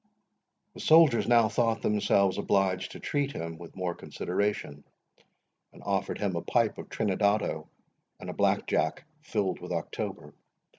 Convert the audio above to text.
The soldiers now thought themselves obliged to treat him with more consideration, and offered him a pipe of Trinidado, and a black jack filled with October.